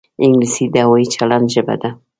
انګلیسي د هوايي چلند ژبه ده